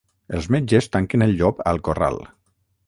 Els metges tanquen el llop al corral.